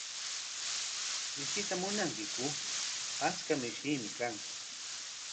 ¿Mishita munankiku? Achka mishiimi kan.